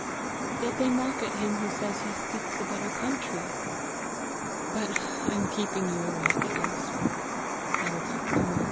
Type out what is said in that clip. Yet they mock at him who says he seeks a better country! But I am keeping you awake, Alister! I will talk no more.